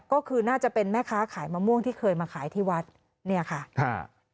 ก็คือน่าจะเป็นแม่ค้าขายมะม่วงที่เคยมาขายที่วัดเนี่ยค่ะอ่า